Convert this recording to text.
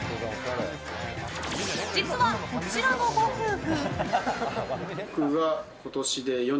実は、こちらのご夫婦。